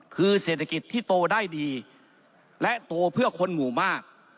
คือเศรษฐกิจที่โตได้ดีและโตเพื่อคนหมู่มาก